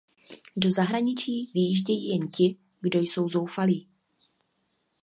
Do zahraničí vyjíždějí jen ti, kdo jsou zoufalí.